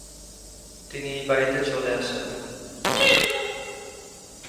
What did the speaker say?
তিনি এই বাড়িতে চলে আসেন।